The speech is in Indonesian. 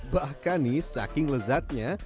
bahkan nih saking lezatnya